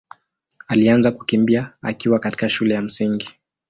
alianza kukimbia akiwa katika shule ya Msingi.